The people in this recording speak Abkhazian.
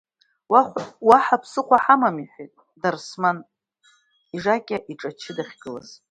Уаҳа ԥсыхәа ҳамам, – иҳәеит Дарсман, ижакьа иҿачы дахьгылаз.